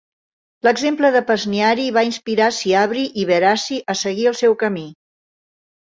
L'exemple de Pesniari va inspirar Siabri i Verasi a seguir el seu camí.